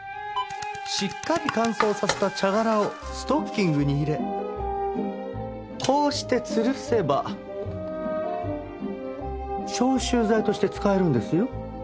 しっかり乾燥させた茶殻をストッキングに入れこうしてつるせば消臭剤として使えるんですよ。